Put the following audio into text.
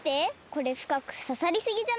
これふかくささりすぎじゃない？